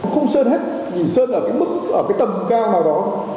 không sơn hết thì sơn ở cái tầm cao nào đó